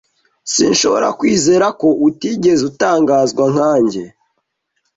Sinshobora kwizera ko utigeze utangazwa nkanjye.